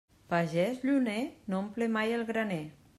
Pagès lluner no omple mai el graner.